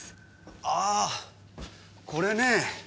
あぁこれね。